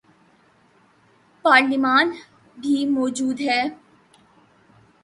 پارلیمان بھی موجود ہے۔